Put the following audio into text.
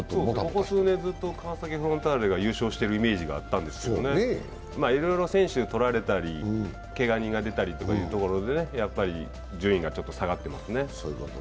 ここ数年ずっと川崎フロンターレが優勝してるイメージがあったんですけどいろいろ選手、取られたり、けが人が出たりというところで順位がちょっと下がってますね。